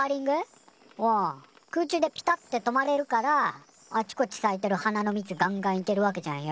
おん空中でピタって止まれるからあちこちさいてる花の蜜がんがんいけるわけじゃんよ。